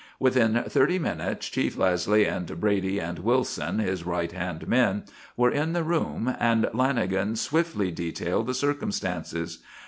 Within thirty minutes Chief Leslie and Brady, and Wilson, his right hand men, were in the room, and Lanagan swiftly detailed the circumstances.